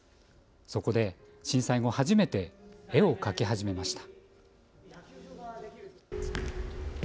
そこで震災後初めて絵を描き始めました。